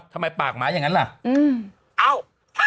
ทำไมปากหมาอย่างงั้นแหละอืมอ้าว